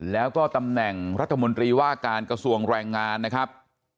แล้วก็ตำแหน่งรัฐมนตรีว่าการกระทรวงแรงงานนะครับ